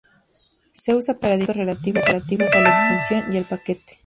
Se usa para definir datos relativos a la extensión y al paquete.